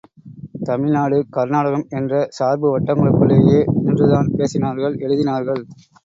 தமிழ்நாடு கர்நாடகம் என்ற சார்பு வட்டங்களுக்குள்ளேயே நின்றுதான் பேசினார்கள் எழுதினார்கள்.